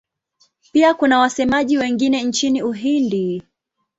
Pia kuna wasemaji wengine nchini Uhindi.